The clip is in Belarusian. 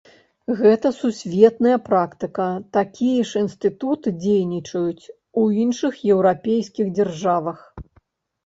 Гэта сусветная практыка, такія ж інстытуты дзейнічаюць у іншых еўрапейскіх дзяржавах.